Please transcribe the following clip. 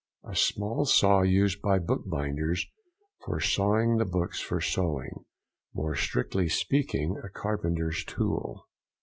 —A small saw used by bookbinders for sawing the books for sewing. More strictly speaking a carpenter's tool.